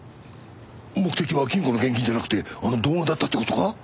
目的は金庫の現金じゃなくてあの動画だったって事か？